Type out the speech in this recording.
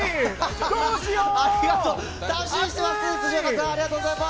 どうしよう。